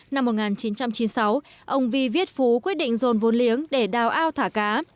năm một nghìn chín trăm chín mươi sáu ông vi viết phú quyết định dồn vốn liếng để đào ao thả cá